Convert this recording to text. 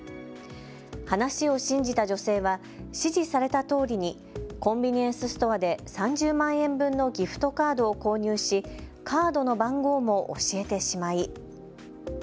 話を信じた女性は指示されたとおりにコンビニエンスストアで３０万円分のギフトカードを購入しカードの番号も教えてしまい。